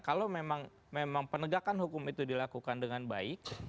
kalau memang penegakan hukum itu dilakukan dengan baik